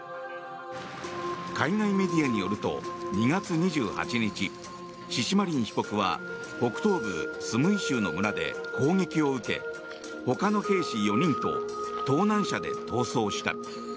海外メディアによると２月２８日、シシマリン被告は北東部スムイ州の村で攻撃を受けほかの兵士４人と盗難車で逃走した。